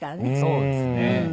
そうですね。